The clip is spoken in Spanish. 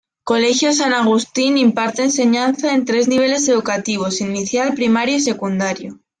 Colegio San Agustín imparte enseñanza en tres niveles educativos: Inicial, primario y secundario.